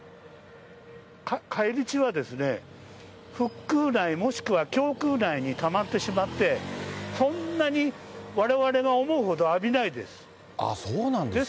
返り血は、腹くう内、もしくは胸腔内にたまってしまって、そんなにわれわれが思うほど浴びないです。